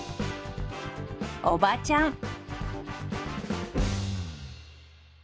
「おばちゃん」。